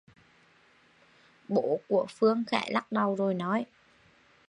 Bố của Phương khé lắc đầu rồi nói